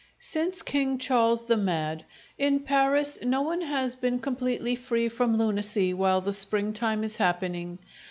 Since King Charles the Mad, in Paris no one has been completely free from lunacy while the spring time is happening.